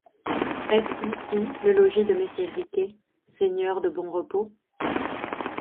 Est-ce ici le logis de messire Riquet, seigneur de Bonrepos ?